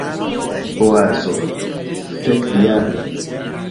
Oazo: "Fekdiable!"